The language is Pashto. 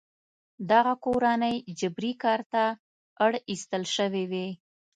دغه کورنۍ جبري کار ته اړ ایستل شوې وې.